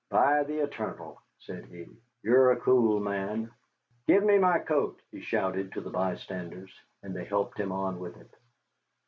"By the eternal," said he, "you are a cool man. Give me my coat," he shouted to the bystanders, and they helped him on with it.